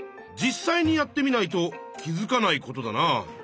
実際にやってみないと気づかないことだな。